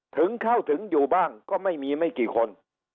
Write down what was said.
ถึงเข้าถึงอยู่บ้างก็ไม่มีไม่กี่คน